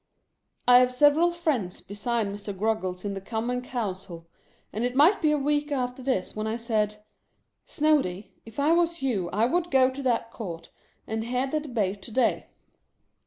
I have several friends besides Mr. Groggles in the Com mon Council, and it might be a week after this when I said, " Snoady, if I was you, I would go to that court, and hear the debate to day."